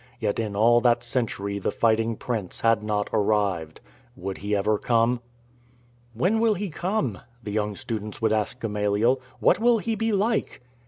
Yet in all that century the Fighting Prince had not arrived. Would he ever come? "When will he come?" the young students would ask Gamaliel. " What will he be like